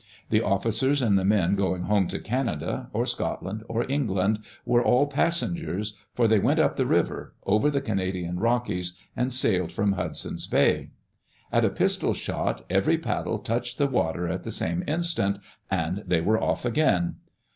The officers and the men going home to Canada or Scotland or England were all passengers, for they went up the river, over the Canadian Rockies, and sailed from Hudson's Bay. At a pistol shot every paddle touched the water at the same instant — and they were off again.